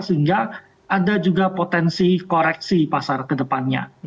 sehingga ada juga potensi koreksi pasar ke depannya